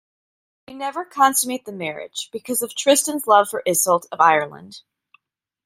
They never consummate the marriage because of Tristan's love for Iseult of Ireland.